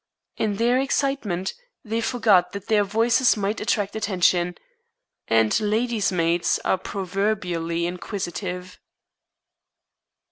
In their excitement they forgot that their voices might attract attention, and ladies' maids are proverbially inquisitive.